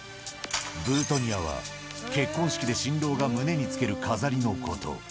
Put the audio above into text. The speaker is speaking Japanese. ブートニアは、結婚式で新郎が胸につける飾りのこと。